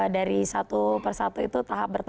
dari satu persatu itu tahap pertama